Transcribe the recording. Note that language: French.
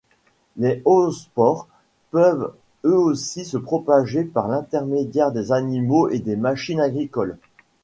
Les oospores peuvent aussi se propager par l'intermédiaire des animaux ou des machines agricoles.